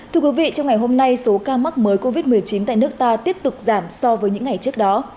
thưa quý vị trong ngày hôm nay số ca mắc mới covid một mươi chín tại nước ta tiếp tục giảm so với những ngày trước đó